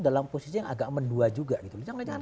dalam posisi yang agak mendua juga gitu loh jangan jangan